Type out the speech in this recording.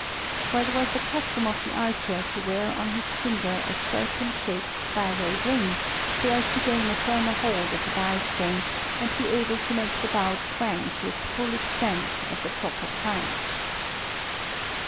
For it was the custom of the archer to wear on his finger a serpent shaped spiral ring, so as to gain a firmer hold of the bow string, and be able to make the bow twang to its full extent at the proper time.